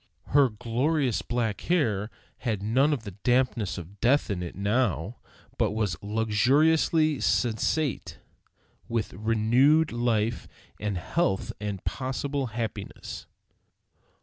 Her glorious black hair had not the dampness of death in it now, but was luxuriously sensate with renewed life and health and possible happiness.